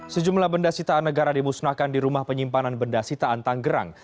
sejumlah benda sitaan negara dimusnahkan di rumah penyimpanan benda sitaan tanggerang